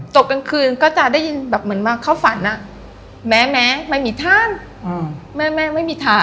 จบกลางคืนก็จะได้ยินแบบเหมือนมาเข้าฝันอ่ะแม้แม้ไม่มีฐานอืม